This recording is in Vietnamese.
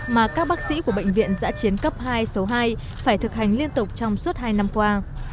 mà các bác sĩ của bệnh viện giã chiến cấp hai số hai phải thực hành liên tục trong suốt hai năm qua